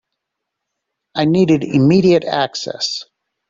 I needed immediate access.